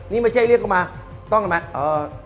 นี่ไม่ใช่เรียกเข้ามา